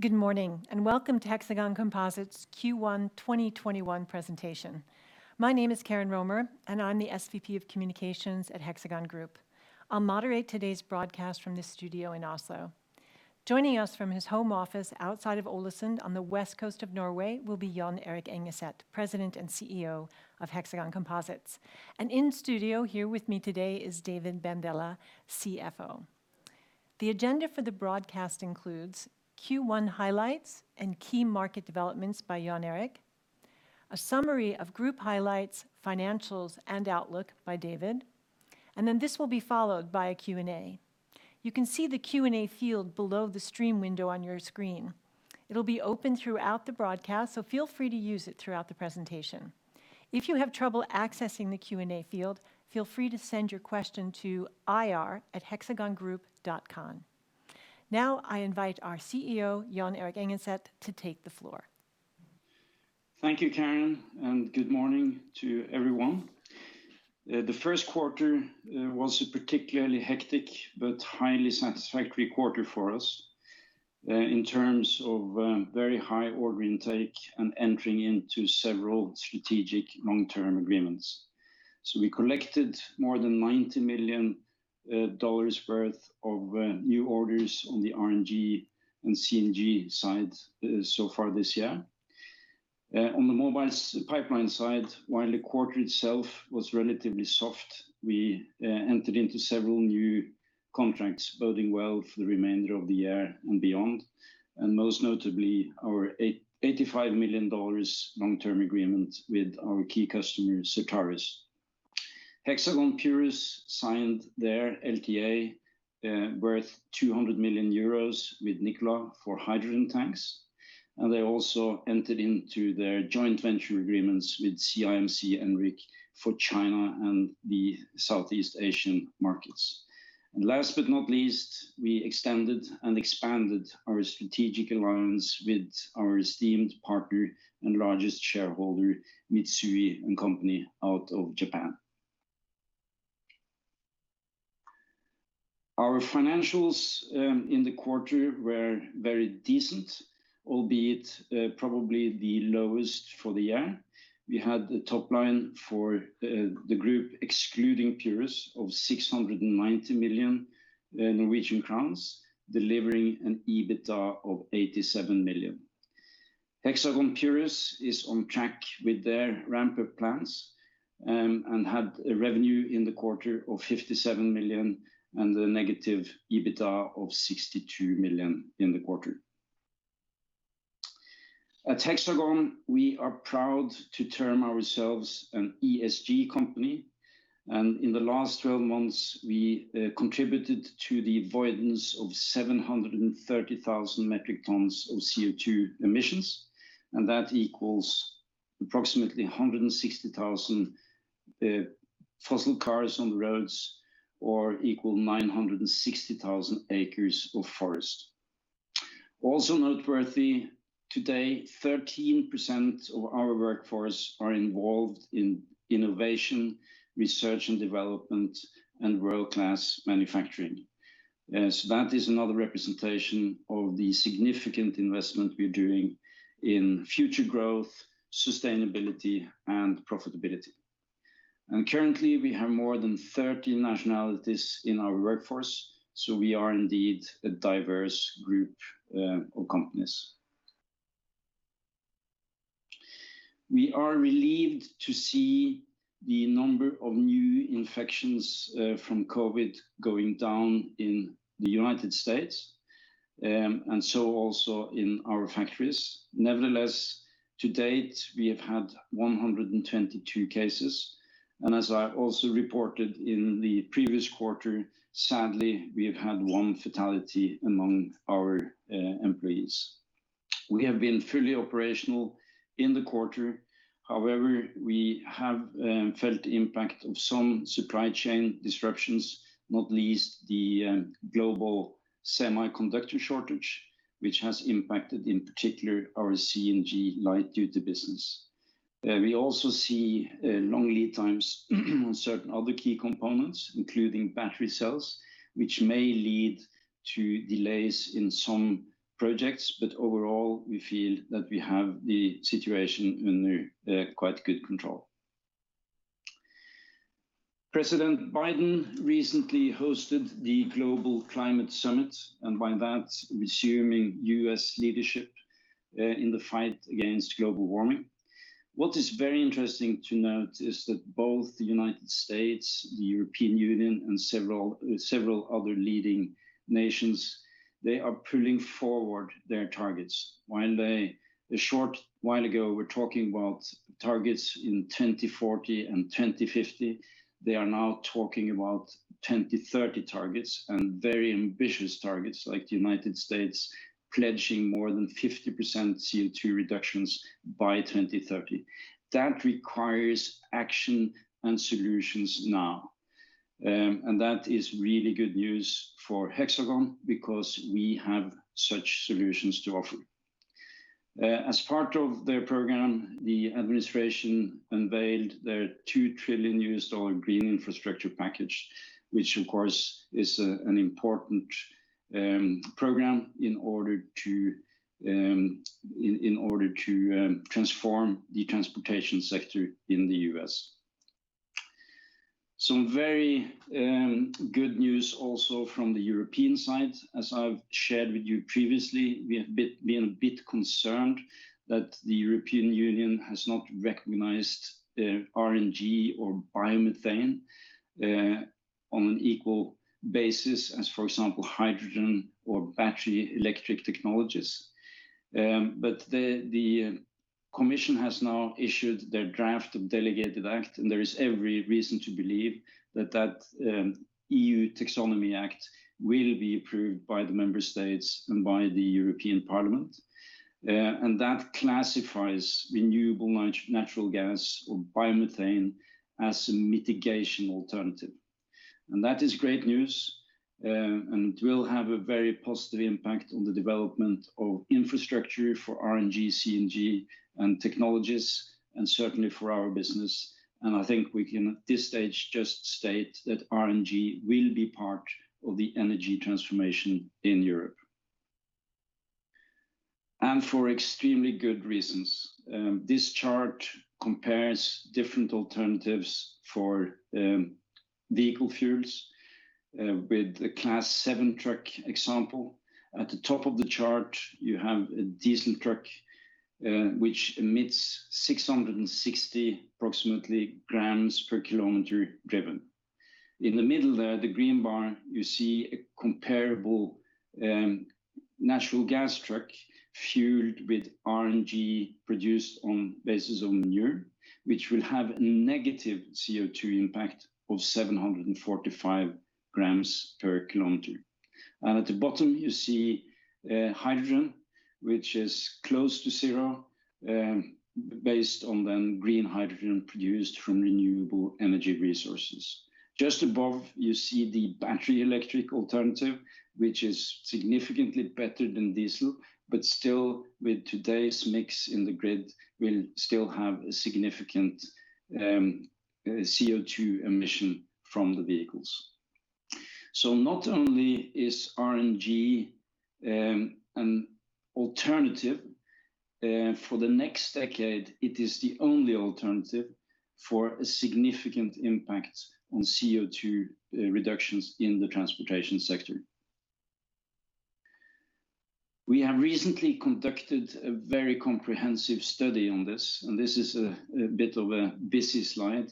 Good morning. Welcome to Hexagon Composites Q1 2021 presentation. My name is Karen Romer, I'm the SVP of Communications at Hexagon Group. I'll moderate today's broadcast from this studio in Oslo. Joining us from his home office outside of Ålesund on the west coast of Norway will be Jon Erik Engeset, President and CEO of Hexagon Composites. In studio here with me today is David Bandele, CFO. The agenda for the broadcast includes Q1 highlights and key market developments by Jon Erik, a summary of group highlights, financials, and outlook by David. This will be followed by a Q&A. You can see the Q&A field below the stream window on your screen. It'll be open throughout the broadcast. Feel free to use it throughout the presentation. If you have trouble accessing the Q&A field, feel free to send your question to ir@hexagongroup.com. Now I invite our CEO, Jon Erik Engeset, to take the floor. Thank you, Karen, and good morning to everyone. The first quarter was a particularly hectic but highly satisfactory quarter for us in terms of very high order intake and entering into several strategic long-term agreements. We collected more than $90 million worth of new orders on the RNG and CNG side so far this year. On the Mobile Pipeline side, while the quarter itself was relatively soft, we entered into several new contracts boding well for the remainder of the year and beyond, and most notably our $85 million long-term agreement with our key customer, Certarus. Hexagon Purus signed their LTA worth 200 million euros with Nikola for hydrogen tanks, and they also entered into their joint venture agreements with CIMC Enric for China and the Southeast Asian markets. Last but not least, we extended and expanded our strategic alliance with our esteemed partner and largest shareholder, Mitsui & Co., out of Japan. Our financials in the quarter were very decent, albeit probably the lowest for the year. We had the top line for the group excluding Hexagon Purus of 690 million Norwegian crowns, delivering an EBITDA of 87 million. Hexagon Purus is on track with their ramp-up plans and had a revenue in the quarter of 57 million and a negative EBITDA of 62 million in the quarter. At Hexagon, we are proud to term ourselves an ESG company, and in the last 12 months, we contributed to the avoidance of 730,000 metric tons of CO2 emissions, and that equals approximately 160,000 fossil cars on the roads or equal 960,000 acres of forest. Also noteworthy, today, 13% of our workforce are involved in innovation, research and development, and world-class manufacturing. That is another representation of the significant investment we're doing in future growth, sustainability, and profitability. Currently, we have more than 30 nationalities in our workforce, so we are indeed a diverse group of companies. We are relieved to see the number of new infections from COVID going down in the U.S., also in our factories. Nevertheless, to date, we have had 122 cases, as I also reported in the previous quarter, sadly, we have had one fatality among our employees. We have been fully operational in the quarter. However, we have felt the impact of some supply chain disruptions, not least the global semiconductor shortage, which has impacted, in particular, our CNG light duty business. We also see long lead times on certain other key components, including battery cells, which may lead to delays in some projects. Overall, we feel that we have the situation under quite good control. President Biden recently hosted the Leaders Summit on Climate, and by that, resuming U.S. leadership in the fight against global warming. What is very interesting to note is that both the United States, the European Union, and several other leading nations, they are pulling forward their targets. While a short while ago we were talking about targets in 2040 and 2050, they are now talking about 2030 targets and very ambitious targets like the United States pledging more than 50% CO2 reductions by 2030. That requires action and solutions now. That is really good news for Hexagon because we have such solutions to offer. As part of their program, the administration unveiled their $2 trillion green infrastructure package, which of course is an important program in order to transform the transportation sector in the U.S. Some very good news also from the European side. As I've shared with you previously, we have been a bit concerned that the European Union has not recognized the RNG or biomethane, on an equal basis as, for example, hydrogen or battery electric technologies. The Commission has now issued their draft of delegated act, there is every reason to believe that that EU Taxonomy Act will be approved by the member states and by the European Parliament. That classifies renewable natural gas or biomethane as a mitigation alternative. That is great news, will have a very positive impact on the development of infrastructure for RNG, CNG, and technologies, and certainly for our business. I think we can, at this stage, just state that RNG will be part of the energy transformation in Europe. For extremely good reasons. This chart compares different alternatives for vehicle fuels with the class 7 truck example. At the top of the chart, you have a diesel truck, which emits 660, approximately, grams per kilometer driven. In the middle there, the green bar, you see a comparable natural gas truck fueled with RNG produced on basis of manure, which will have a negative CO2 impact of 745 grams per kilometer. At the bottom you see hydrogen, which is close to zero, based on the green hydrogen produced from renewable energy resources. Just above you see the battery electric alternative, which is significantly better than diesel, but still with today's mix in the grid, will still have a significant CO2 emission from the vehicles. Not only is RNG an alternative for the next decade, it is the only alternative for a significant impact on CO2 reductions in the transportation sector. We have recently conducted a very comprehensive study on this, and this is a bit of a busy slide.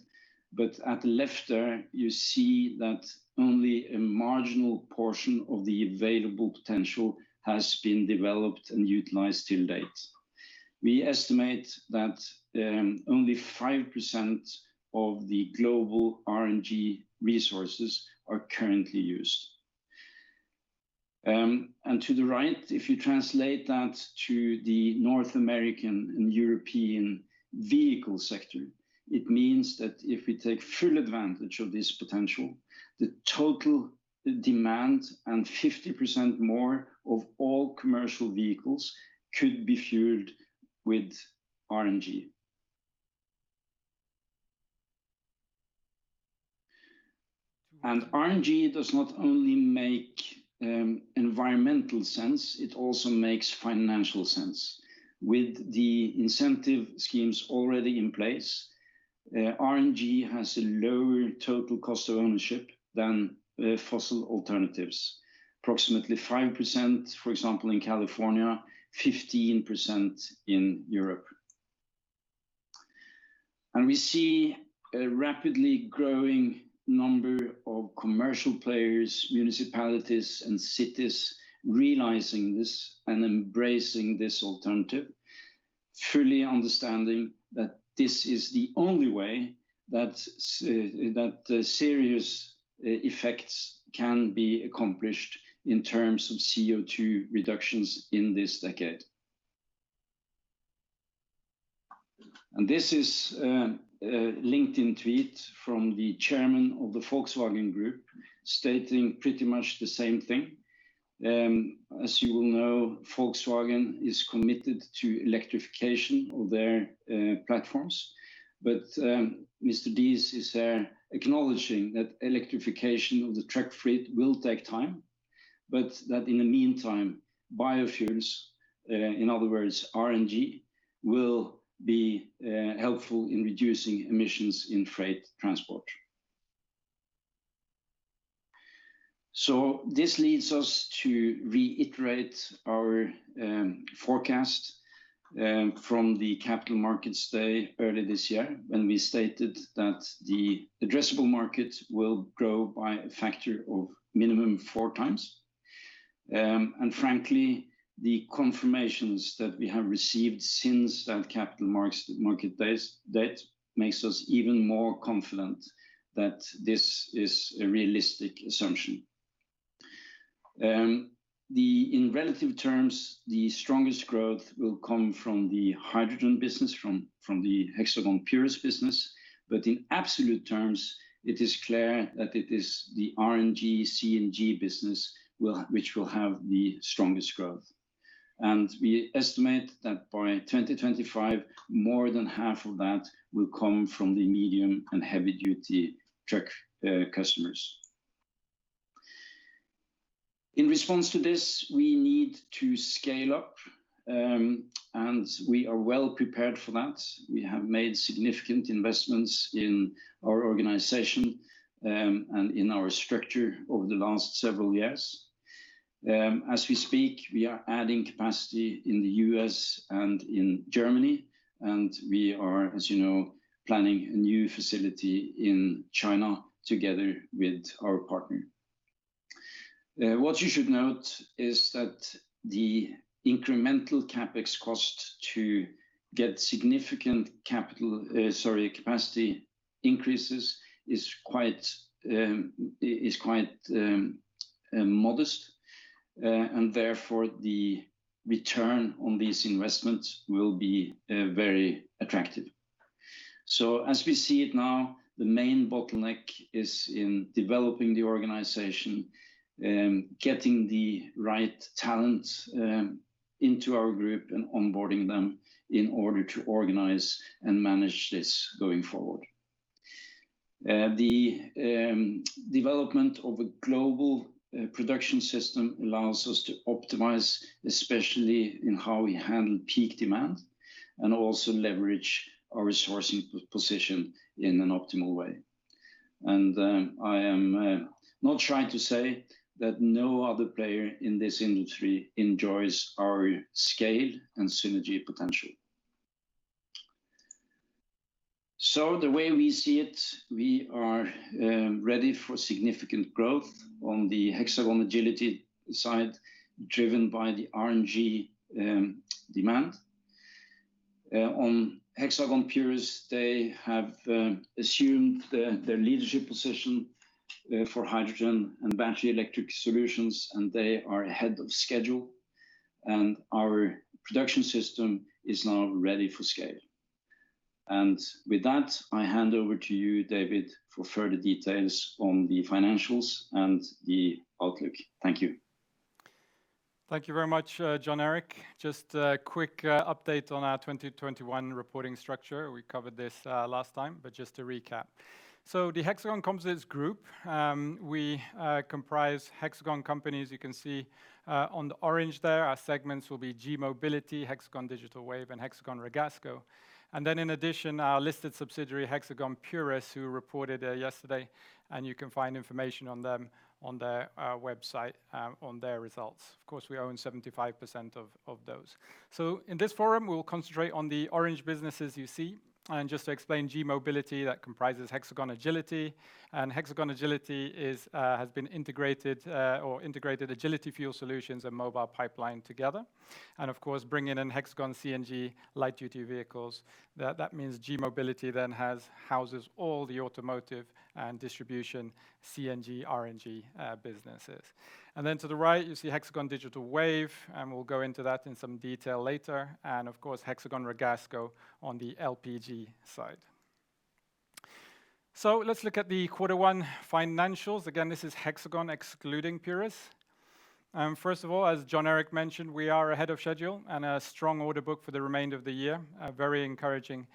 At the left there, you see that only a marginal portion of the available potential has been developed and utilized till date. We estimate that only 5% of the global RNG resources are currently used. To the right, if you translate that to the North American and European vehicle sector, it means that if we take full advantage of this potential, the total demand and 50% more of all commercial vehicles could be fueled with RNG. RNG does not only make environmental sense, it also makes financial sense. With the incentive schemes already in place, RNG has a lower total cost of ownership than fossil alternatives. Approximately 5%, for example, in California, 15% in Europe. We see a rapidly growing number of commercial players, municipalities, and cities realizing this and embracing this alternative, truly understanding that this is the only way that serious effects can be accomplished in terms of CO2 reductions in this decade. This is a LinkedIn tweet from the chairman of the Volkswagen Group stating pretty much the same thing. As you will know, Volkswagen is committed to electrification of their platforms. Mr. Diess is acknowledging that electrification of the truck fleet will take time, but that in the meantime, biofuels, in other words, RNG, will be helpful in reducing emissions in freight transport. This leads us to reiterate our forecast from the Capital Markets Day earlier this year when we stated that the addressable market will grow by a factor of minimum four times. Frankly, the confirmations that we have received since that Capital Markets Day, that makes us even more confident that this is a realistic assumption. In relative terms, the strongest growth will come from the hydrogen business, from the Hexagon Purus business. In absolute terms, it is clear that it is the RNG, CNG business which will have the strongest growth. We estimate that by 2025, more than half of that will come from the medium and heavy-duty truck customers. In response to this, we need to scale up, and we are well prepared for that. We have made significant investments in our organization and in our structure over the last several years. As we speak, we are adding capacity in the U.S. and in Germany, and we are, as you know, planning a new facility in China together with our partner. What you should note is that the incremental CapEx cost to get significant capacity increases is quite modest, and therefore the return on these investments will be very attractive. As we see it now, the main bottleneck is in developing the organization, getting the right talent into our group, and onboarding them in order to organize and manage this going forward. The development of a global production system allows us to optimize, especially in how we handle peak demand, and also leverage our resourcing position in an optimal way. I am not trying to say that no other player in this industry enjoys our scale and synergy potential. The way we see it, we are ready for significant growth on the Hexagon Agility side, driven by the RNG demand. On Hexagon Purus, they have assumed their leadership position for hydrogen and battery electric solutions, and they are ahead of schedule. Our production system is now ready for scale. With that, I hand over to you, David, for further details on the financials and the outlook. Thank you. Thank you very much, Jon Erik. Just a quick update on our 2021 reporting structure. We covered this last time, to recap. The Hexagon Composites Group, we comprise Hexagon companies. You can see on the orange there, our segments will be g-mobility, Hexagon Digital Wave, and Hexagon Ragasco. In addition, our listed subsidiary, Hexagon Purus, who reported yesterday, and you can find information on them on their website on their results. Of course, we own 75% of those. In this forum, we will concentrate on the orange businesses you see. To explain, g-mobility, that comprises Hexagon Agility. Hexagon Agility has been integrated Agility Fuel Solutions and Mobile Pipeline together, and of course, bringing in Hexagon CNG light-duty vehicles. That means g-mobility houses all the automotive and distribution CNG, RNG businesses. To the right, you see Hexagon Digital Wave, and we'll go into that in some detail later, and of course, Hexagon Ragasco on the LPG side. Let's look at the quarter one financials. Again, this is Hexagon excluding Purus. First of all, as Jon Erik mentioned, we are ahead of schedule and a strong order book for the remainder of the year. Very encouraging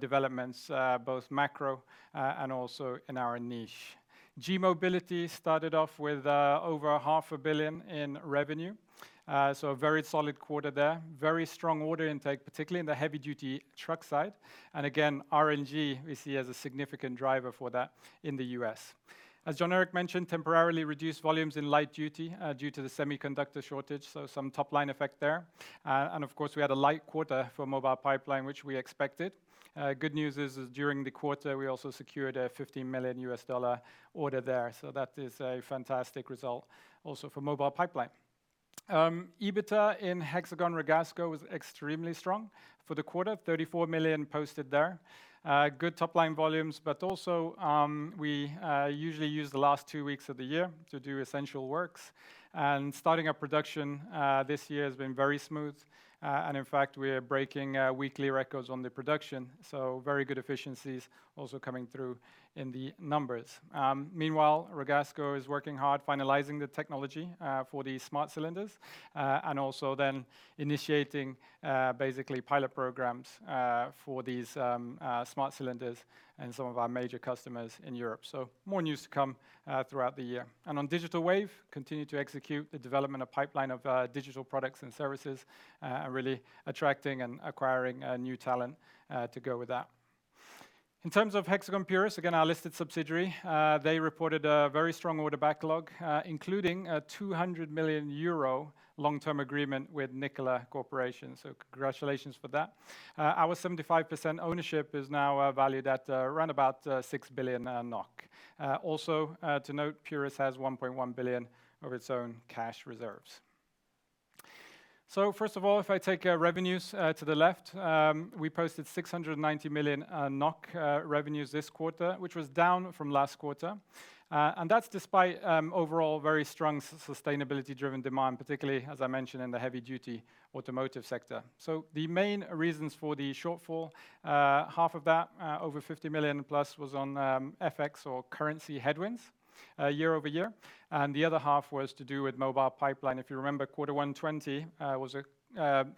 developments, both macro and also in our niche. G-mobility started off with over 500,000,000 in revenue, so a very solid quarter there. Very strong order intake, particularly in the heavy-duty truck side. RNG we see as a significant driver for that in the U.S. As Jon Erik mentioned, temporarily reduced volumes in light duty due to the semiconductor shortage, some top-line effect there. We had a light quarter for Mobile Pipeline, which we expected. Good news is, during the quarter, we also secured a NOK 15 million order there, that is a fantastic result also for Mobile Pipeline. EBITDA in Hexagon Ragasco was extremely strong for the quarter, 34 million posted there. Good top-line volumes, also, we usually use the last two weeks of the year to do essential works, starting up production this year has been very smooth. In fact, we are breaking weekly records on the production, very good efficiencies also coming through in the numbers. Meanwhile, Ragasco is working hard finalizing the technology for the Smart Cylinders, also then initiating basically pilot programs for these Smart Cylinders in some of our major customers in Europe. More news to come throughout the year. On Digital Wave, continue to execute the development of pipeline of digital products and services, really attracting and acquiring new talent to go with that. In terms of Hexagon Purus, again, our listed subsidiary, they reported a very strong order backlog, including a 200 million euro long-term agreement with Nikola Corporation. Congratulations for that. Our 75% ownership is now valued at around about 6 billion NOK. Also to note, Purus has 1.1 billion of its own cash reserves. First of all, if I take revenues to the left, we posted 690 million NOK revenues this quarter, which was down from last quarter. That's despite overall very strong sustainability-driven demand, particularly, as I mentioned, in the heavy-duty Automotive sector. The main reasons for the shortfall, half of that, over 50 million-plus, was on FX or currency headwinds year-over-year, and the other half was to do with Mobile Pipeline. If you remember, quarter 1 2020,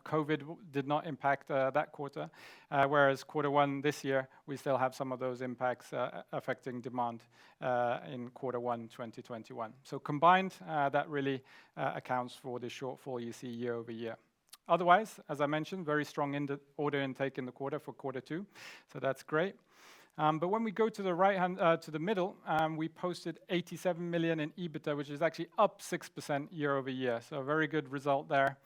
COVID did not impact that quarter, whereas quarter 1 this year, we still have some of those impacts affecting demand in quarter 1 2021. Combined, that really accounts for the shortfall you see year-over-year. Otherwise, as I mentioned, very strong order intake in the quarter for quarter 2, so that's great. When we go to the middle, we posted 87 million in EBITDA, which is actually up 6% year-over-year. A very good result there,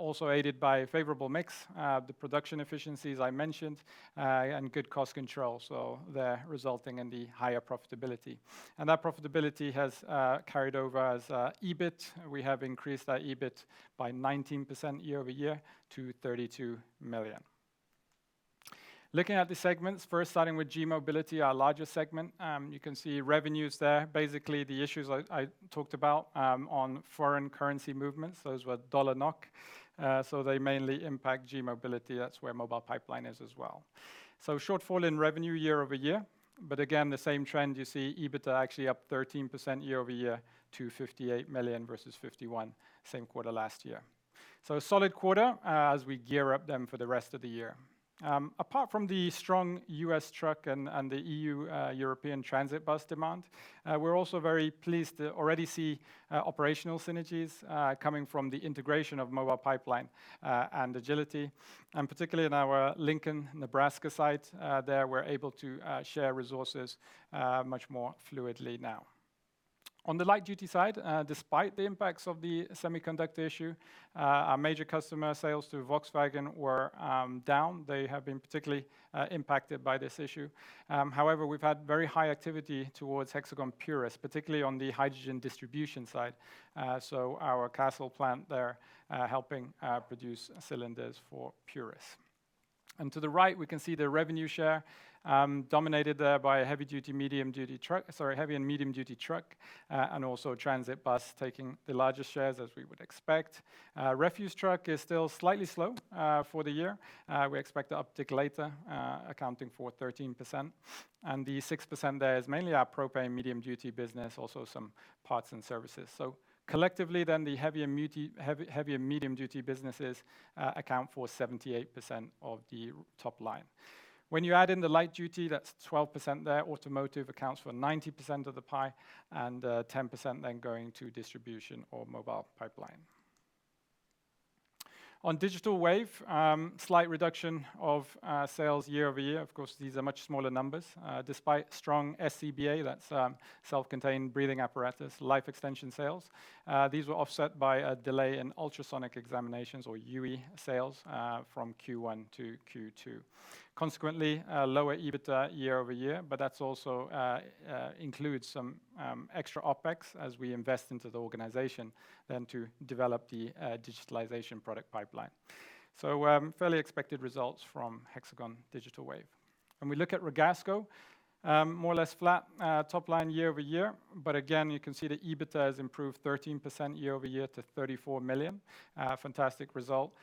also aided by a favorable mix. The production efficiencies I mentioned, and good cost control, so they're resulting in the higher profitability. That profitability has carried over as EBIT. We have increased our EBIT by 19% year-over-year to 32 million. Looking at the segments, first starting with G-Mobility, our largest segment, you can see revenues there. Basically, the issues I talked about on foreign currency movements, those were USD-NOK, they mainly impact G-Mobility. That's where Mobile Pipeline is as well. Shortfall in revenue year-over-year, again, the same trend you see, EBITDA actually up 13% year-over-year to 58 million versus 51 million same quarter last year. A solid quarter as we gear up for the rest of the year. Apart from the strong U.S. truck and the E.U. transit bus demand, we're also very pleased to already see operational synergies coming from the integration of Mobile Pipeline and Agility, particularly in our Lincoln, Nebraska site, there we're able to share resources much more fluidly now. On the light-duty side, despite the impacts of the semiconductor issue, our major customer sales to Volkswagen were down. They have been particularly impacted by this issue. However, we've had very high activity towards Hexagon Purus, particularly on the hydrogen distribution side. Our Kassel plant, they're helping produce cylinders for Purus. To the right, we can see the revenue share dominated there by heavy and medium-duty truck, and also transit bus taking the largest shares as we would expect. Refuse truck is still slightly slow for the year. We expect to uptick later, accounting for 13%. The 6% there is mainly our propane medium-duty business, also some parts and services. Collectively then, the heavy and medium-duty businesses account for 78% of the top line. When you add in the light duty, that's 12% there. Automotive accounts for 90% of the pie, and 10% then going to distribution or Mobile Pipeline. On Digital Wave, slight reduction of sales year-over-year. Of course, these are much smaller numbers. Despite strong SCBA, that's self-contained breathing apparatus, life extension sales. These were offset by a delay in ultrasonic examinations or UE sales from Q1 to Q2. Consequently, lower EBITDA year-over-year, but that also includes some extra OpEx as we invest into the organization then to develop the digitalization product pipeline. Fairly expected results from Hexagon Digital Wave. When we look at Ragasco, more or less flat top line year-over-year. Again, you can see the EBITDA has improved 13% year-over-year to 34 million. A fantastic result.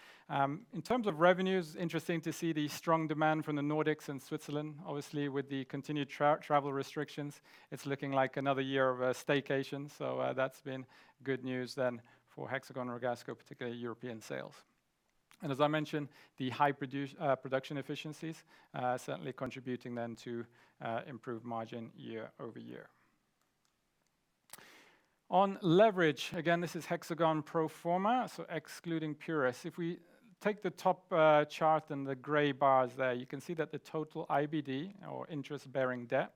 In terms of revenues, interesting to see the strong demand from the Nordics and Switzerland. Obviously, with the continued travel restrictions, it's looking like another year of a staycation. That's been good news then for Hexagon Ragasco, particularly European sales. As I mentioned, the high production efficiencies certainly contributing then to improved margin year-over-year. On leverage, again, this is Hexagon pro forma, so excluding Purus. If we take the top chart and the gray bars there, you can see that the total IBD or interest-bearing debt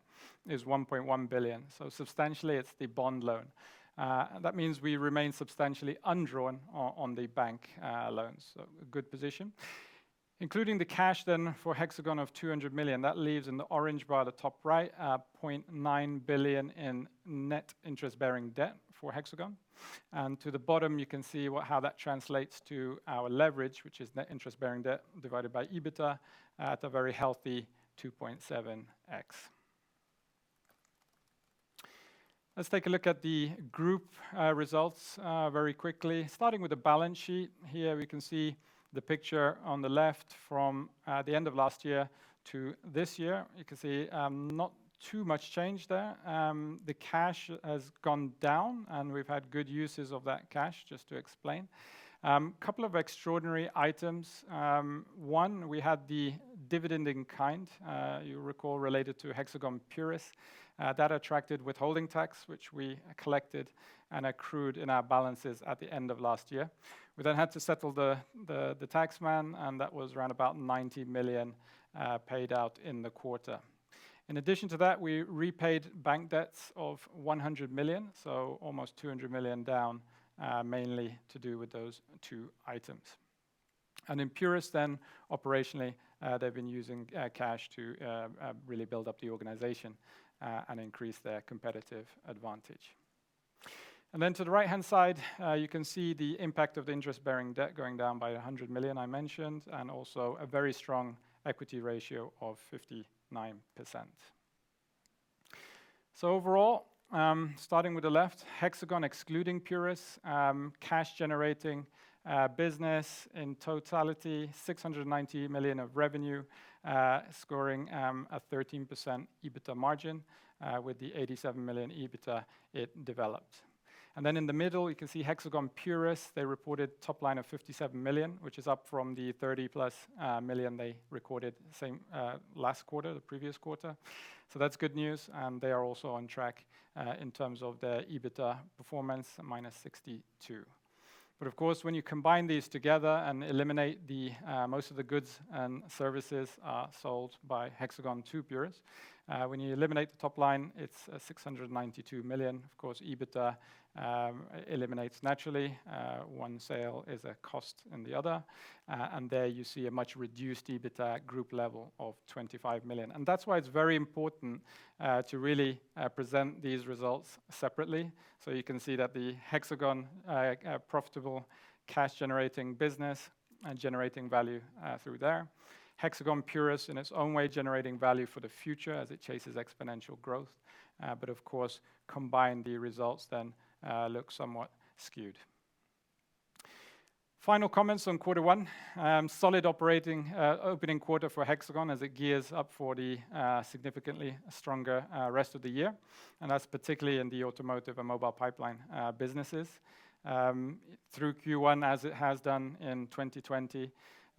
is 1.1 billion. Substantially, it's the bond loan. That means we remain substantially undrawn on the bank loans, so a good position. Including the cash then for Hexagon of 200 million, that leaves in the orange bar at the top right, 0.9 billion in net interest-bearing debt for Hexagon. To the bottom, you can see how that translates to our leverage, which is net interest-bearing debt divided by EBITDA at a very healthy 2.7x. Let's take a look at the group results very quickly, starting with the balance sheet. Here we can see the picture on the left from the end of last year to this year. You can see not too much change there. The cash has gone down, and we've had good uses of that cash, just to explain. Couple of extraordinary items. One, we had the dividend in kind, you recall, related to Hexagon Purus. That attracted withholding tax, which we collected and accrued in our balances at the end of last year. We then had to settle the tax man, and that was around about 90 million paid out in the quarter. In addition to that, we repaid bank debts of 100 million, so almost 200 million down, mainly to do with those two items. In Purus then, operationally, they've been using cash to really build up the organization and increase their competitive advantage. Then to the right-hand side, you can see the impact of the interest-bearing debt going down by 100 million, I mentioned, and also a very strong equity ratio of 59%. Overall, starting with the left, Hexagon excluding Purus, cash-generating business in totality, 690 million of revenue, scoring a 13% EBITDA margin with the 87 million EBITDA it developed. Then in the middle, you can see Hexagon Purus, they reported top line of 57 million, which is up from the 30-plus million they recorded last quarter, the previous quarter. That's good news, and they are also on track in terms of their EBITDA performance, minus 62 million. Of course, when you combine these together and eliminate most of the goods and services sold by Hexagon to Purus, when you eliminate the top line, it's 692 million. Of course, EBITDA eliminates naturally. One sale is a cost in the other. There you see a much-reduced EBITDA group level of 25 million. That's why it's very important to really present these results separately. You can see that the Hexagon profitable cash-generating business and generating value through there. Hexagon Purus in its own way, generating value for the future as it chases exponential growth. Of course, combined, the results then look somewhat skewed. Final comments on quarter one. Solid opening quarter for Hexagon as it gears up for the significantly stronger rest of the year. That's particularly in the Automotive and Mobile Pipeline businesses. Through Q1, as it has done in 2020,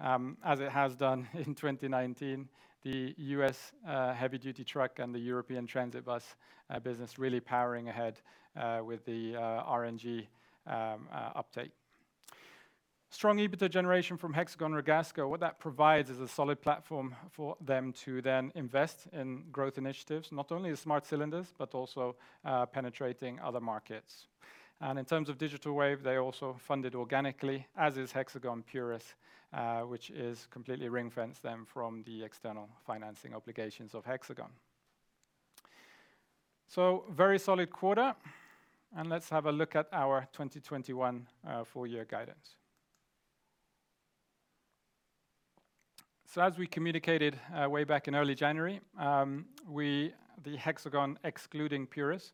as it has done in 2019, the U.S. heavy-duty truck and the European transit bus business really powering ahead with the RNG uptake. Strong EBITDA generation from Hexagon Ragasco. What that provides is a solid platform for them to then invest in growth initiatives, not only the Smart Cylinders, but also penetrating other markets. In terms of Digital Wave, they also funded organically, as is Hexagon Purus, which completely ring-fence them from the external financing obligations of Hexagon. Very solid quarter, and let's have a look at our 2021 full-year guidance. As we communicated way back in early January, the Hexagon excluding Purus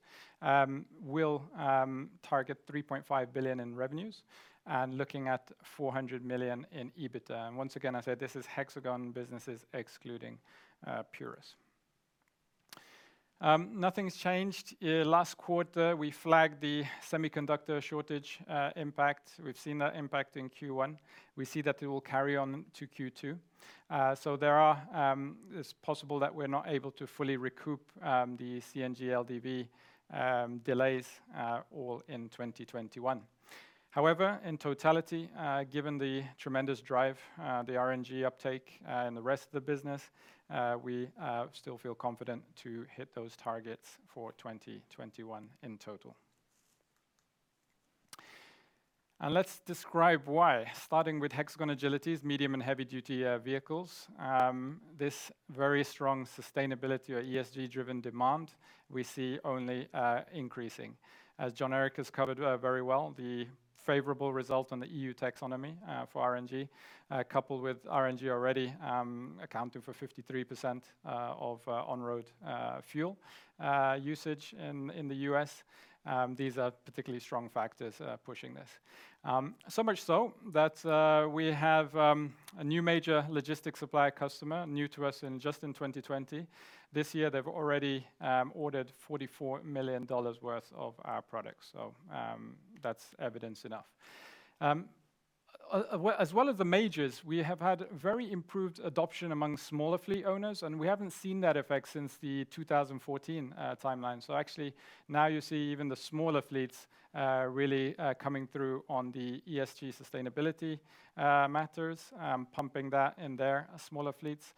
will target 3.5 billion in revenues and looking at 400 million in EBITDA. Once again, I say this is Hexagon businesses excluding Purus. Nothing's changed. Last quarter, we flagged the semiconductor shortage impact. We've seen that impact in Q1. We see that it will carry on to Q2. It's possible that we're not able to fully recoup the CNG LDV delays all in 2021. However, in totality, given the tremendous drive, the RNG uptake, and the rest of the business, we still feel confident to hit those targets for 2021 in total. Let's describe why, starting with Hexagon Agility's medium and heavy-duty vehicles. This very strong sustainability or ESG-driven demand we see only increasing. As Jon Erik has covered very well, the favorable result on the EU Taxonomy for RNG, coupled with RNG already accounting for 53% of on-road fuel usage in the U.S., these are particularly strong factors pushing this. Much so that we have a new major logistics supply customer, new to us just in 2020. This year, they've already ordered $44 million worth of our products. That's evidence enough. As well as the majors, we have had very improved adoption among smaller fleet owners, we haven't seen that effect since the 2014 timeline. Actually, now you see even the smaller fleets really coming through on the ESG sustainability matters, pumping that in their smaller fleets,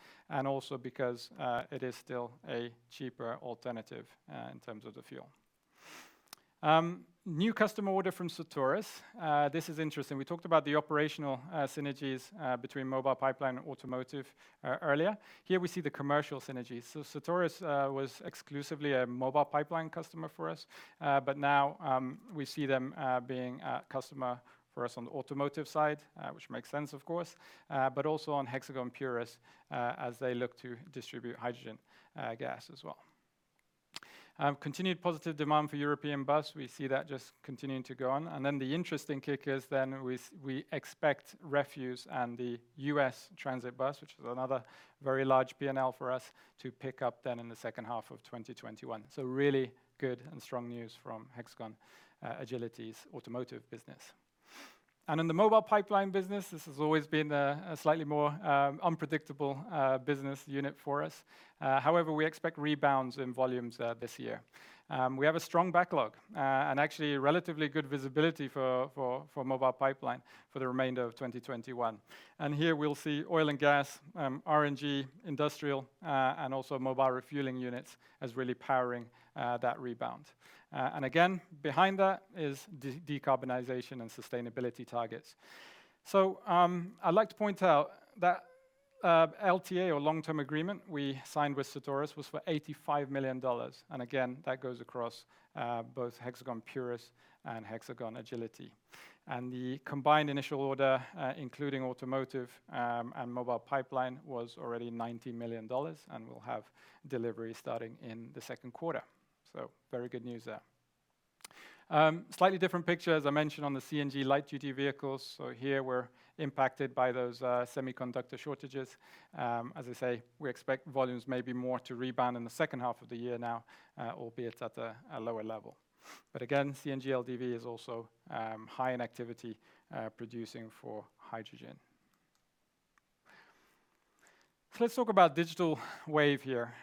also because it is still a cheaper alternative in terms of the fuel. New customer order from Certarus. This is interesting. We talked about the operational synergies between Mobile Pipeline and Automotive earlier. Here we see the commercial synergies. Certarus was exclusively a Mobile Pipeline customer for us, but now we see them being a customer for us on the Automotive side, which makes sense, of course, but also on Hexagon Purus as they look to distribute hydrogen gas as well. Continued positive demand for European bus. We see that just continuing to go on. The interesting kick is then we expect refuse and the U.S. transit bus, which is another very large P&L for us, to pick up then in the second half of 2021. Really good and strong news from Hexagon Agility's automotive business. In the Mobile Pipeline business, this has always been a slightly more unpredictable business unit for us. However, we expect rebounds in volumes this year. We have a strong backlog and actually relatively good visibility for Mobile Pipeline for the remainder of 2021. Here we'll see oil and gas, RNG, industrial, and also mobile refueling units as really powering that rebound. Again, behind that is decarbonization and sustainability targets. I'd like to point out that LTA or long-term agreement we signed with Certarus was for $85 million. Again, that goes across both Hexagon Purus and Hexagon Agility. The combined initial order, including Automotive and Mobile Pipeline, was already $90 million, and we'll have delivery starting in the second quarter. Very good news there. Slightly different picture, as I mentioned, on the CNG light-duty vehicles. Here we're impacted by those semiconductor shortages. As I say, we expect volumes may be more to rebound in the second half of the year now, albeit at a lower level. Again, CNG LDV is also high in activity, producing for hydrogen. Let's talk about Digital Wave here.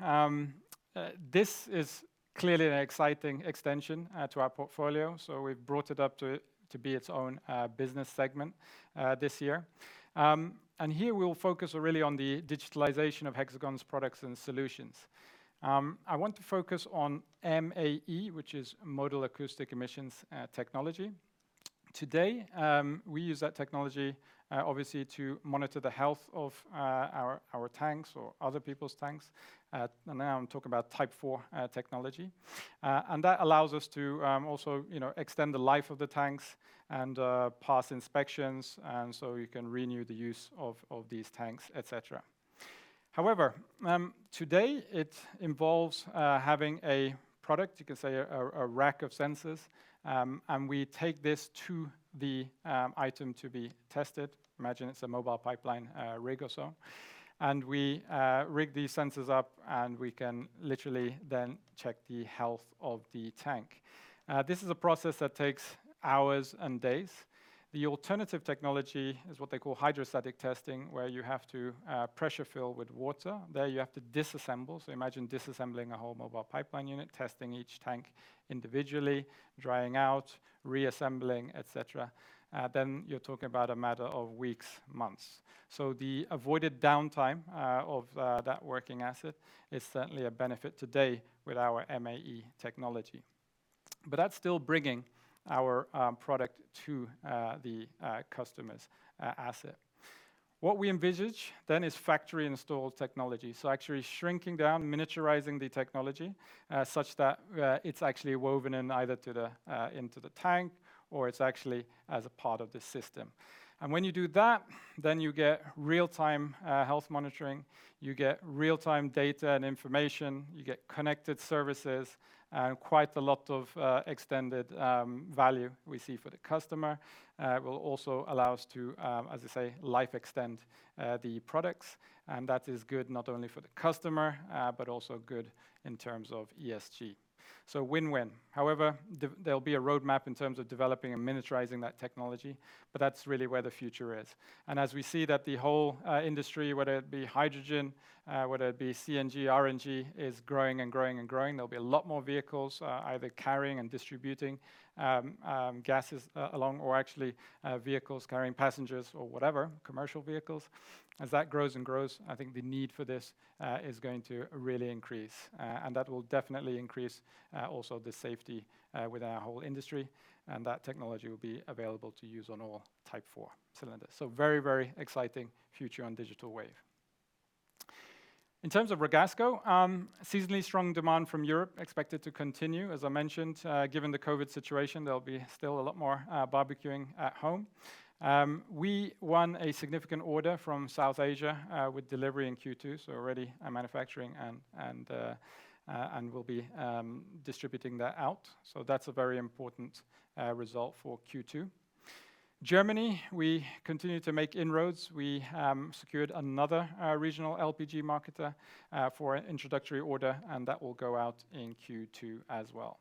This is clearly an exciting extension to our portfolio, we've brought it up to be its own business segment this year. Here we'll focus really on the digitalization of Hexagon's products and solutions. I want to focus on MAE, which is Modal Acoustic Emission technology. Today, we use that technology obviously to monitor the health of our tanks or other people's tanks. Now I'm talking about Type IV technology. That allows us to also extend the life of the tanks and pass inspections, you can renew the use of these tanks, et cetera. However, today it involves having a product, you can say a rack of sensors, and we take this to the item to be tested. Imagine it's a Mobile Pipeline rig or so. We rig these sensors up, and we can literally then check the health of the tank. This is a process that takes hours and days. The alternative technology is what they call hydrostatic testing, where you have to pressure fill with water. There you have to disassemble. Imagine disassembling a whole Mobile Pipeline unit, testing each tank individually, drying out, reassembling, et cetera. You're talking about a matter of weeks, months. The avoided downtime of that working asset is certainly a benefit today with our MAE technology. That's still bringing our product to the customer's asset. What we envisage then is factory-installed technology. Actually shrinking down, miniaturizing the technology such that it's actually woven in either into the tank, or it's actually as a part of the system. When you do that, you get real-time health monitoring, you get real-time data and information, you get connected services, and quite a lot of extended value we see for the customer. It will also allow us to, as I say, life extend the products, and that is good not only for the customer, but also good in terms of ESG. Win-win. However, there'll be a roadmap in terms of developing and miniaturizing that technology, but that's really where the future is. As we see that the whole industry, whether it be hydrogen, whether it be CNG, RNG, is growing and growing and growing, there'll be a lot more vehicles either carrying and distributing gases along or actually vehicles carrying passengers or whatever, commercial vehicles. As that grows and grows, I think the need for this is going to really increase. That will definitely increase also the safety with our whole industry. That technology will be available to use on all Type IV cylinders. Very exciting future on Digital Wave. In terms of Ragasco, seasonally strong demand from Europe expected to continue. As I mentioned, given the COVID situation, there'll be still a lot more barbecuing at home. We won a significant order from South Asia with delivery in Q2, so already manufacturing and we'll be distributing that out. That's a very important result for Q2. Germany, we continue to make inroads. We secured another regional LPG marketer for an introductory order, and that will go out in Q2 as well.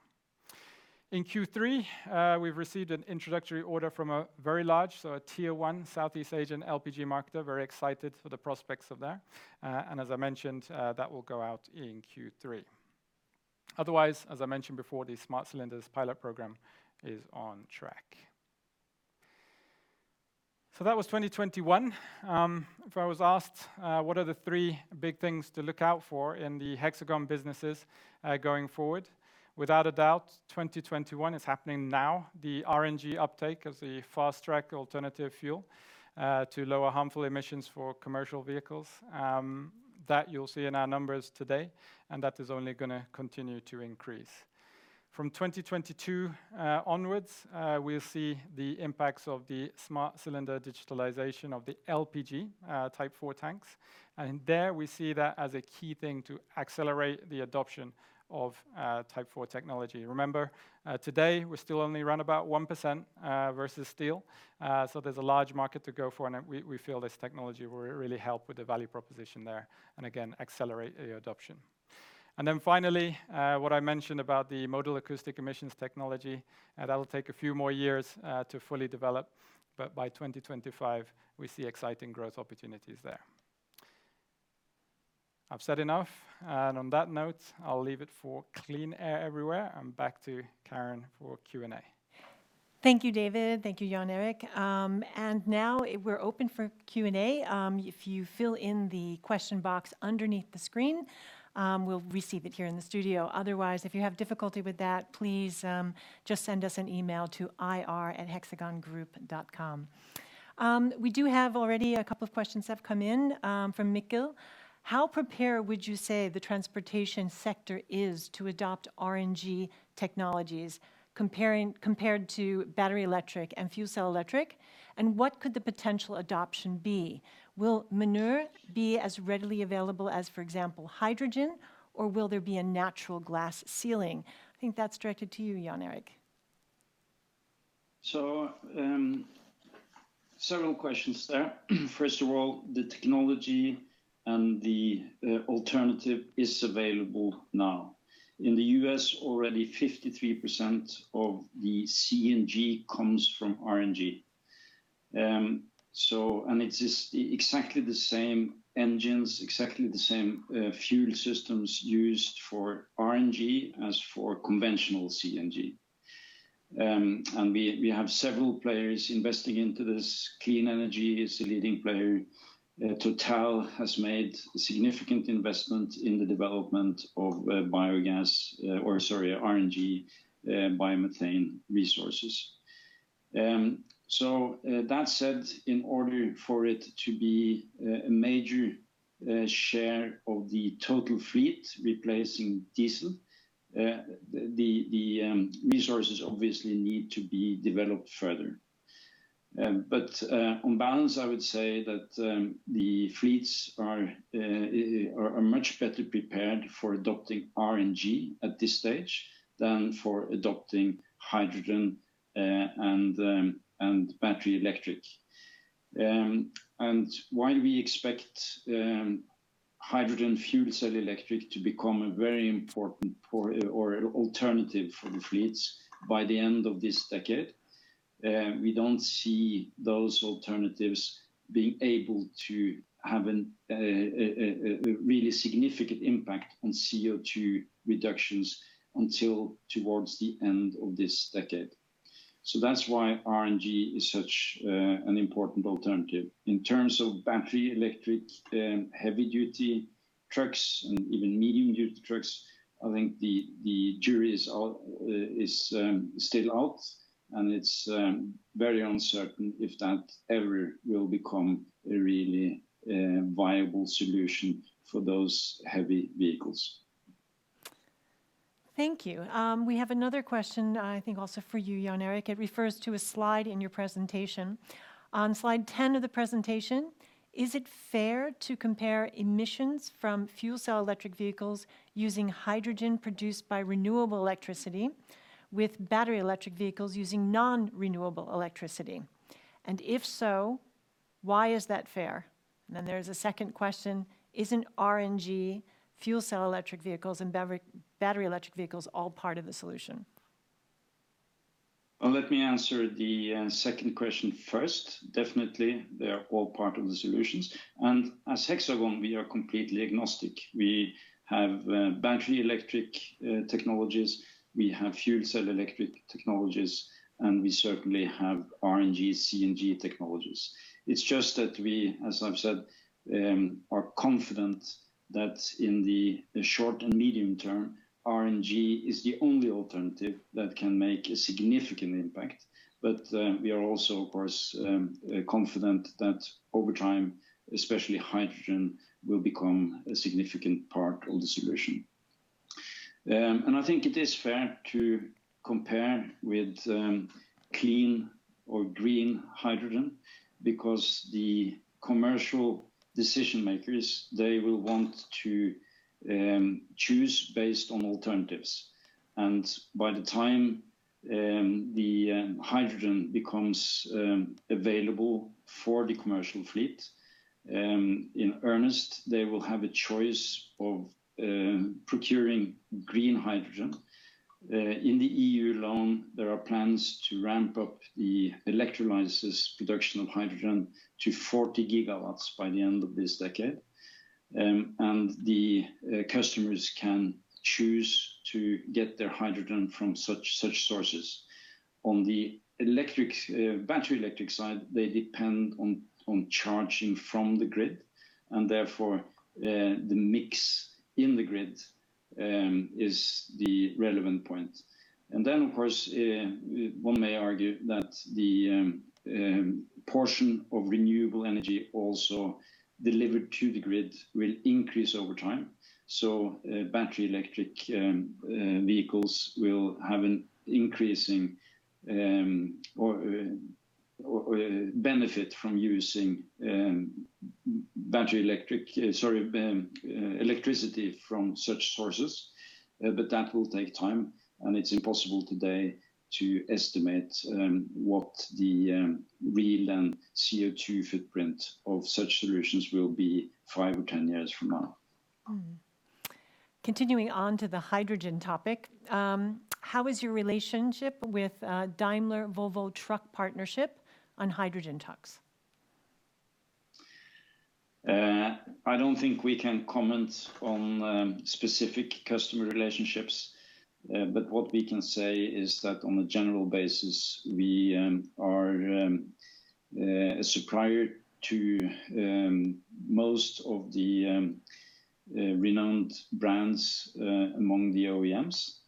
In Q3, we've received an introductory order from a very large, so a Tier 1 Southeast Asian LPG marketer. Very excited for the prospects of that. As I mentioned, that will go out in Q3. Otherwise, as I mentioned before, the Smart Cylinders pilot program is on track. That was 2021. If I was asked, what are the three big things to look out for in the Hexagon businesses going forward? Without a doubt, 2021 is happening now. The RNG uptake as a fast-track alternative fuel to lower harmful emissions for commercial vehicles. That you'll see in our numbers today, and that is only going to continue to increase. From 2022 onwards, we'll see the impacts of the Smart Cylinder digitalization of the LPG Type IV tanks. There we see that as a key thing to accelerate the adoption of Type IV technology. Remember, today we're still only around about 1% versus steel. There's a large market to go for, and we feel this technology will really help with the value proposition there, and again, accelerate the adoption. Finally, what I mentioned about the Modal Acoustic Emission technology, that'll take a few more years to fully develop, but by 2025, we see exciting growth opportunities there. I've said enough, and on that note, I'll leave it for clean air everywhere, and back to Karen for Q&A. Thank you, David. Thank you, Jon Erik. Now we're open for Q&A. If you fill in the question box underneath the screen, we'll receive it here in the studio. Otherwise, if you have difficulty with that, please just send us an email to ir@hexagongroup.com. We do have already a couple of questions that have come in from Mikil. How prepared would you say the transportation sector is to adopt RNG technologies compared to battery-electric and fuel-cell electric, and what could the potential adoption be? Will manure be as readily available as, for example, hydrogen, or will there be a natural glass ceiling? I think that's directed to you, Jon Erik. Several questions there. First of all, the technology and the alternative is available now. In the U.S. already 53% of the CNG comes from RNG. It is exactly the same engines, exactly the same fuel systems used for RNG as for conventional CNG. We have several players investing into this. Clean Energy is a leading player. Total has made significant investment in the development of RNG biomethane resources. That said, in order for it to be a major share of the total fleet replacing diesel, the resources obviously need to be developed further. On balance, I would say that the fleets are much better prepared for adopting RNG at this stage than for adopting hydrogen and battery electric. While we expect hydrogen fuel cell electric to become a very important alternative for the fleets by the end of this decade, we don't see those alternatives being able to have a really significant impact on CO2 reductions until towards the end of this decade. That's why RNG is such an important alternative. In terms of battery electric heavy-duty trucks, and even medium-duty trucks, I think the jury is still out, and it's very uncertain if that ever will become a really viable solution for those heavy vehicles. Thank you. We have another question, I think also for you, Jon Erik. It refers to a slide in your presentation. On slide 10 of the presentation, is it fair to compare emissions from fuel cell electric vehicles using hydrogen produced by renewable electricity with battery electric vehicles using non-renewable electricity? If so, why is that fair? There's a second question: Isn't RNG fuel cell electric vehicles and battery electric vehicles all part of the solution? Let me answer the second question first. Definitely, they are all part of the solutions. As Hexagon, we are completely agnostic. We have battery electric technologies, we have fuel cell electric technologies, and we certainly have RNG, CNG technologies. It's just that we, as I've said, are confident that in the short and medium term, RNG is the only alternative that can make a significant impact. We are also, of course, confident that over time, especially hydrogen, will become a significant part of the solution. I think it is fair to compare with clean or green hydrogen because the commercial decision makers, they will want to choose based on alternatives. By the time the hydrogen becomes available for the commercial fleet in earnest, they will have a choice of procuring green hydrogen. In the E.U. alone, there are plans to ramp up the electrolysis production of hydrogen to 40 gigawatts by the end of this decade. The customers can choose to get their hydrogen from such sources. On the battery electric side, they depend on charging from the grid, and therefore, the mix in the grid is the relevant point. Then, of course, one may argue that the portion of renewable energy also delivered to the grid will increase over time. Battery electric vehicles will have an increasing benefit from using electricity from such sources. That will take time, and it's impossible today to estimate what the real and CO2 footprint of such solutions will be five or 10 years from now. Mm-hmm. Continuing on to the hydrogen topic. How is your relationship with Daimler Volvo Truck Partnership on hydrogen trucks? I don't think we can comment on specific customer relationships. What we can say is that on a general basis, we are a supplier to most of the renowned brands among the OEMs.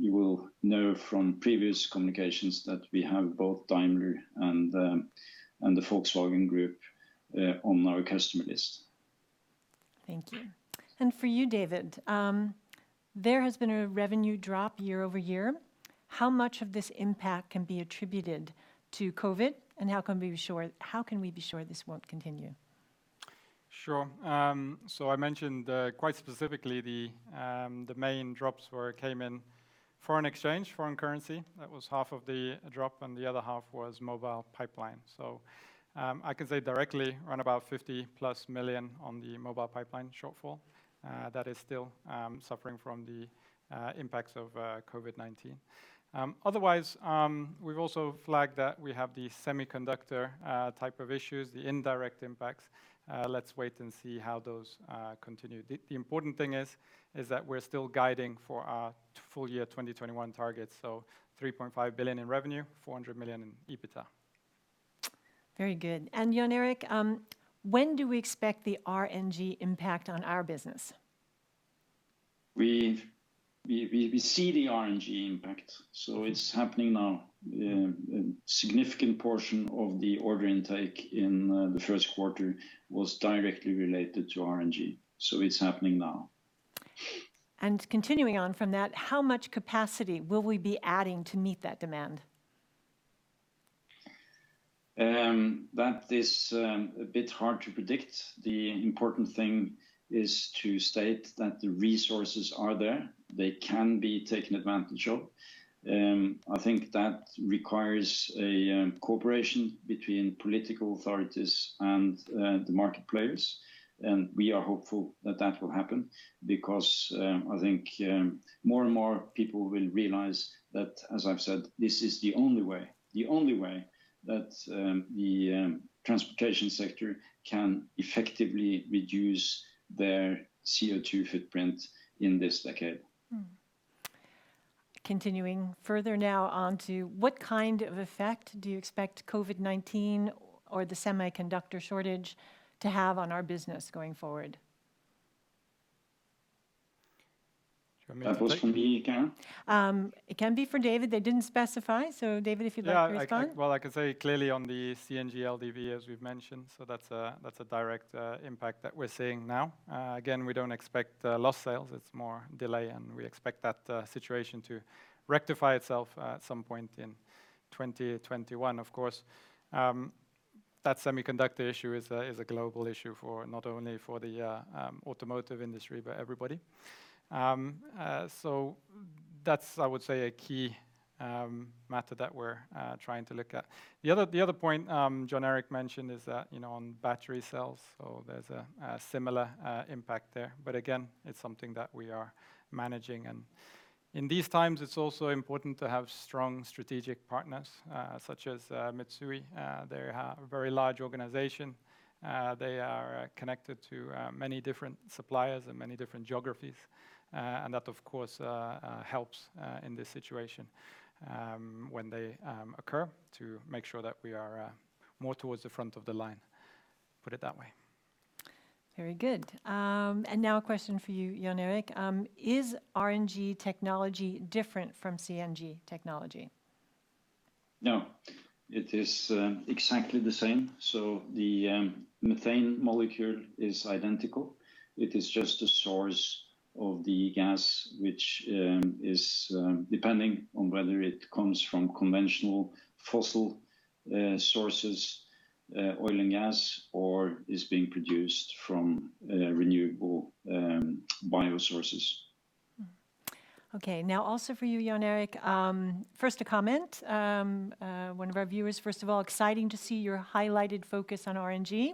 You will know from previous communications that we have both Daimler and the Volkswagen Group on our customer list. Thank you. For you, David, there has been a revenue drop year-over-year. How much of this impact can be attributed to COVID, and how can we be sure this won't continue? Sure. I mentioned quite specifically the main drops came in foreign exchange, foreign currency. That was half of the drop, and the other half was Mobile Pipeline. I can say directly around about 50-plus million on the Mobile Pipeline shortfall that is still suffering from the impacts of COVID-19. Otherwise, we've also flagged that we have the semiconductor type of issues, the indirect impacts. Let's wait and see how those continue. The important thing is that we're still guiding for our full year 2021 targets, so 3.5 billion in revenue, 400 million in EBITDA. Very good. Jon Erik, when do we expect the RNG impact on our business? We see the RNG impact, so it's happening now. A significant portion of the order intake in the first quarter was directly related to RNG. It's happening now. Continuing on from that, how much capacity will we be adding to meet that demand? That is a bit hard to predict. The important thing is to state that the resources are there. They can be taken advantage of. I think that requires a cooperation between political authorities and the market players. We are hopeful that that will happen because I think more and more people will realize that, as I've said, this is the only way that the transportation sector can effectively reduce their CO2 footprint in this decade. Continuing further now on to what kind of effect do you expect COVID-19 or the semiconductor shortage to have on our business going forward? Do you want me to take it? It can be for David. They didn't specify, so David, if you'd like to respond. Well, I can say clearly on the CNG LDV, as we've mentioned, so that's a direct impact that we're seeing now. Again, we don't expect lost sales. It's more delay, and we expect that situation to rectify itself at some point in 2021. Of course, that semiconductor issue is a global issue, not only for the automotive industry, but everybody. That's, I would say, a key matter that we're trying to look at. The other point Jon Erik Engeset mentioned is that on battery cells, so there's a similar impact there. Again, it's something that we are managing, and in these times it's also important to have strong strategic partners such as Mitsui. They're a very large organization. They are connected to many different suppliers and many different geographies. That, of course, helps in this situation when they occur to make sure that we are more towards the front of the line. Put it that way. Very good. Now a question for you, Jon Erik. Is RNG technology different from CNG technology? No, it is exactly the same. The methane molecule is identical. It is just a source of the gas, which is depending on whether it comes from conventional fossil sources, oil and gas, or is being produced from renewable bio sources. Okay. Also for you, Jon Erik, first a comment. One of our viewers, first of all, exciting to see your highlighted focus on RNG,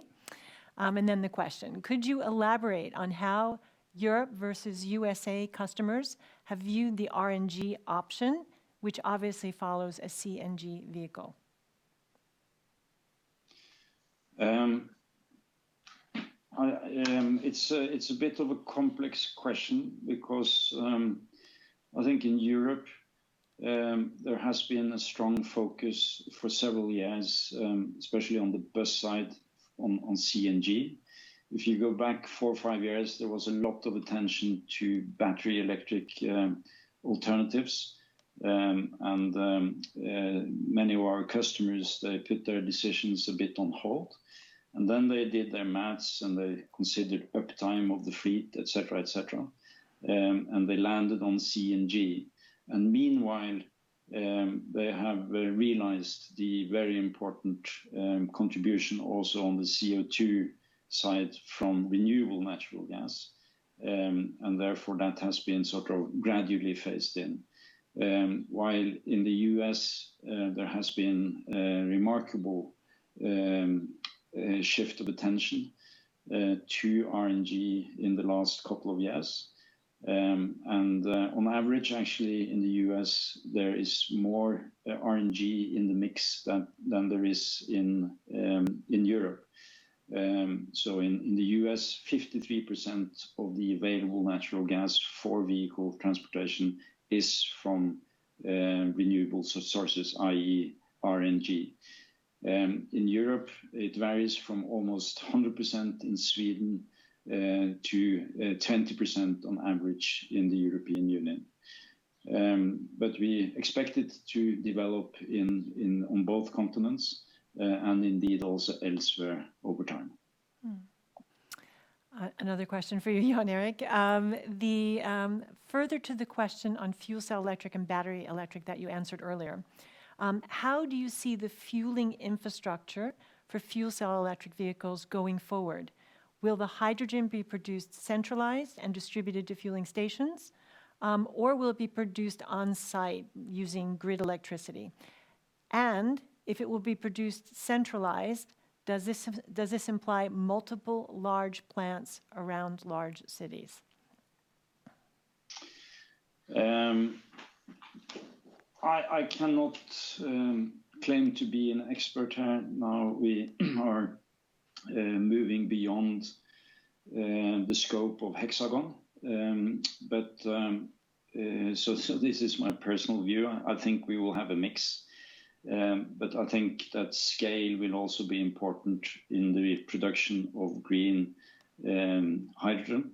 and then the question. Could you elaborate on how Europe versus U.S.A. customers have viewed the RNG option, which obviously follows a CNG vehicle? It's a bit of a complex question because I think in Europe, there has been a strong focus for several years, especially on the bus side, on CNG. If you go back four or five years, there was a lot of attention to battery electric alternatives. Many of our customers, they put their decisions a bit on hold, then they did their math and they considered uptime of the fleet, et cetera. They landed on CNG. Meanwhile, they have realized the very important contribution also on the CO2 side from renewable natural gas, therefore that has been sort of gradually phased in. While in the U.S., there has been a remarkable shift of attention to RNG in the last couple of years. On average, actually, in the U.S., there is more RNG in the mix than there is in Europe. In the U.S., 53% of the available natural gas for vehicle transportation is from renewable sources, i.e., RNG. In Europe, it varies from almost 100% in Sweden to 10% on average in the European Union. We expect it to develop on both continents, and indeed also elsewhere over time. Another question for you, Jon Erik. Further to the question on fuel cell electric and battery electric that you answered earlier, how do you see the fueling infrastructure for fuel cell electric vehicles going forward? Will the hydrogen be produced centralized and distributed to fueling stations, or will it be produced on-site using grid electricity? If it will be produced centralized, does this imply multiple large plants around large cities? I cannot claim to be an expert here. Now we are moving beyond the scope of Hexagon. This is my personal view. I think we will have a mix. I think that scale will also be important in the production of green hydrogen,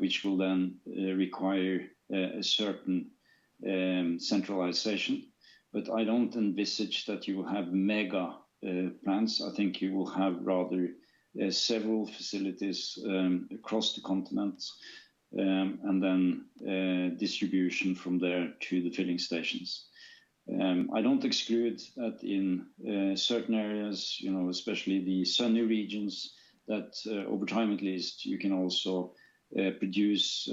which will then require a certain centralization. I don't envisage that you will have mega plants. I think you will have rather several facilities across the continent, and then distribution from there to the filling stations. I don't exclude that in certain areas, especially the sunny regions, that over time at least, you can also produce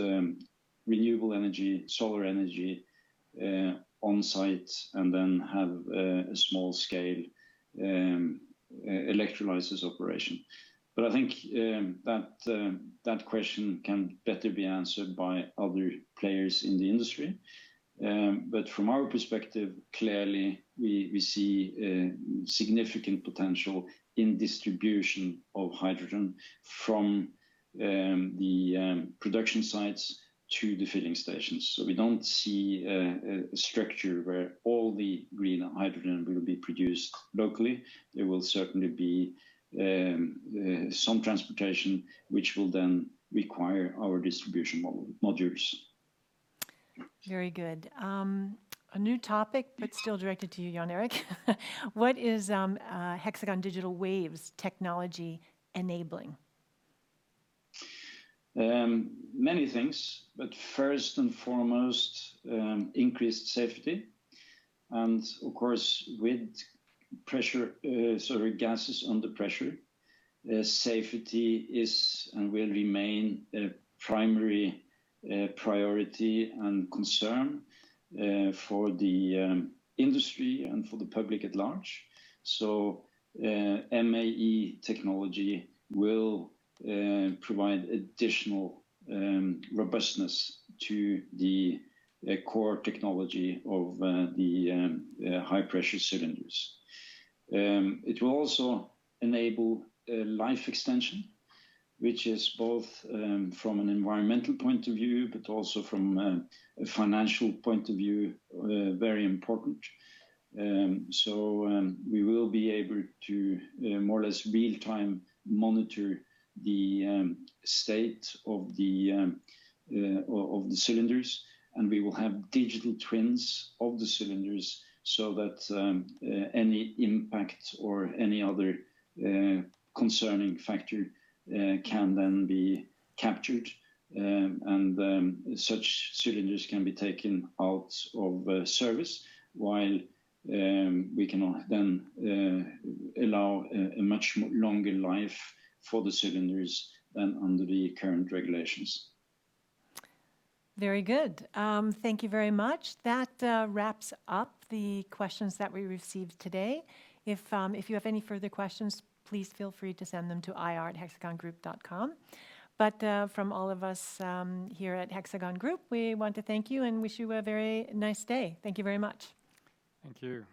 renewable energy, solar energy on-site and then have a small scale electrolysis operation. I think that question can better be answered by other players in the industry. From our perspective, clearly, we see significant potential in distribution of hydrogen from the production sites to the filling stations. We don't see a structure where all the green hydrogen will be produced locally. There will certainly be some transportation, which will then require our distribution modules. Very good. A new topic, but still directed to you, Jon Erik. What is Hexagon Digital Wave technology enabling? Many things, but first and foremost, increased safety. Of course, with gases under pressure, safety is and will remain a primary priority and concern for the industry and for the public at large. MAE technology will provide additional robustness to the core technology of the high-pressure cylinders. It will also enable life extension, which is both from an environmental point of view, but also from a financial point of view, very important. We will be able to more or less real-time monitor the state of the cylinders, and we will have digital twins of the cylinders so that any impact or any other concerning factor can then be captured, and such cylinders can be taken out of service while we can then allow a much longer life for the cylinders than under the current regulations. Very good. Thank you very much. That wraps up the questions that we received today. If you have any further questions, please feel free to send them to ir@hexagongroup.com. From all of us here at Hexagon Group, we want to thank you and wish you a very nice day. Thank you very much. Thank you.